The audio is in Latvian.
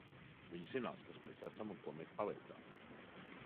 Viņi zinās, kas mēs esam un ko mēs paveicām.